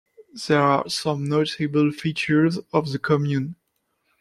There are some notable features of the commune.